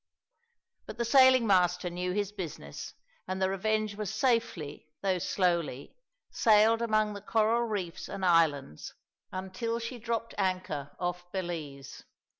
But the sailing master knew his business, and the Revenge was safely, though slowly, sailed among the coral reefs and islands until she dropped anchor off Belize.